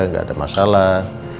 gak ada masalah